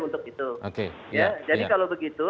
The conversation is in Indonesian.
untuk itu ya jadi kalau begitu